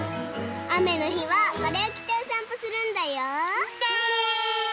あめのひはこれをきておさんぽするんだよ。ね。